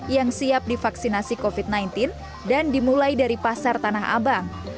yang siap divaksinasi covid sembilan belas dan dimulai dari pasar tanah abang